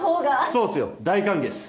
そうっすよ大歓迎っす。